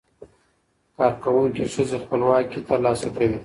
کارکوونکې ښځې خپلواکي ترلاسه کوي.